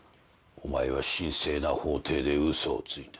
お前は神聖な法廷で嘘をついた。